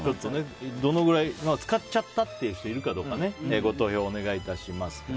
どのくらい使っちゃったという人がいるかねご投票お願いします。